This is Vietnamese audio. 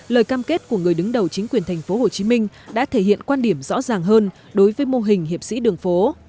lời cam kết của người đứng đầu chính quyền tp hcm đã thể hiện quan điểm rõ ràng hơn đối với mô hình hiệp sĩ đường phố